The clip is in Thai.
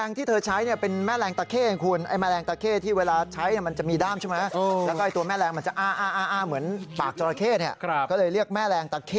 ก็จะเล่าไม่เอาก็จะก็ไม่แคร์